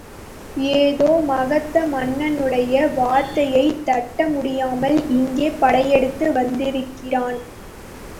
ஏதோ மகத மன்னனுடைய வார்த்தையைத் தட்ட முடியாமல் இங்கே படையெடுத்து வந்திருக்கிறான்.